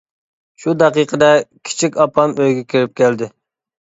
شۇ دەقىقىدە كىچىك ئاپام ئۆيگە كىرىپ كەلدى.